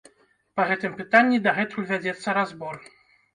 Па гэтым пытанні дагэтуль вядзецца разбор.